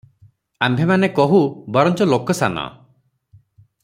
ଆମ୍ଭେମାନେ କହୁ, ବରଞ୍ଚ ଲୋକସାନ ।